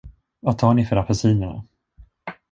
Vad tar ni för apelsinerna?